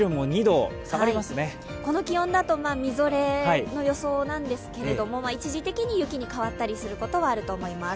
この気温だとみぞれの予想なんですけれども、一時的に雪に変わったりすることはあると思います。